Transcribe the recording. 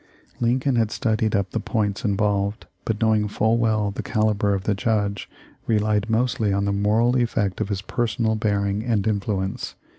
Lincoln had studied up the points involved, but knowing full well the calibre of the judge, relied mostly on the moral effect of his personal bearing and influence.